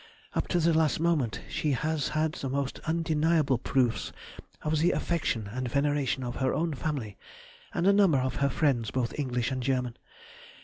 Up to the last moment she has had the most undeniable proofs of the affection and veneration of her own family and a number of friends, both English and German.